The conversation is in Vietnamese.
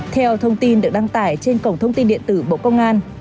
theo thông tin được đăng tải trên cổng thông tin điện tử bộ công an